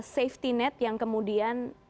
safety net yang kemudian